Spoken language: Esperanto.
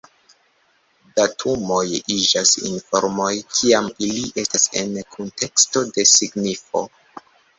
Datumoj iĝas informoj, kiam ili estas en kunteksto de signifo.